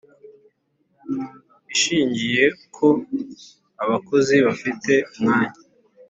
ishingiye ko abakozi bafite umwanya